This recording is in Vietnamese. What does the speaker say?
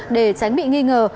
để tránh bị nghi ngờ